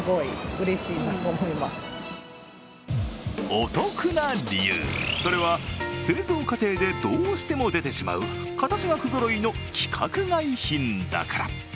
お得な理由、それは製造過程でどうしても出てしまう形が不ぞろいの規格外品だから。